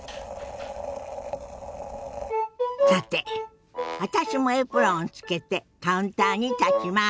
さて私もエプロンをつけてカウンターに立ちます。